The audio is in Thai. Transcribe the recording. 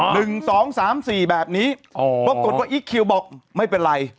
หนึ่งสองสามสี่แบบนี้อ๋อปรากฏว่าอีคคิวบอกไม่เป็นไร